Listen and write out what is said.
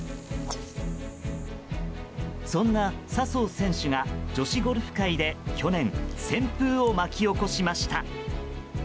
そんな笹生選手が女子ゴルフ界で去年、旋風を巻き起こしました。